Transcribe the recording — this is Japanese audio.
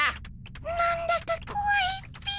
なんだかこわいっピィ。